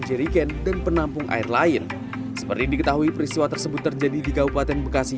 jeriken dan penampung air lain seperti diketahui peristiwa tersebut terjadi di kabupaten bekasi